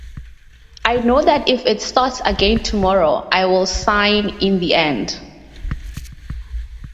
I know that if it starts again tomorrow, I will sign in the end.